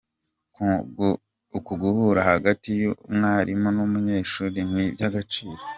Uku guhura hagati y’umwarimu n’umunyeshuri ni iby’agaciro.